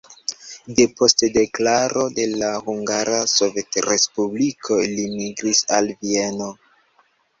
Depost deklaro de la Hungara Sovetrespubliko li migris al Vieno.